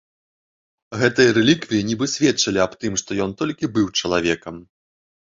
Гэтыя рэліквіі нібы сведчылі аб тым, што ён толькі быў чалавекам.